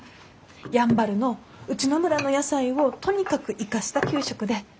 やんばるのうちの村の野菜をとにかく生かした給食で。